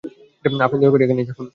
আপনি দয়া করে এখানেই থাকুন।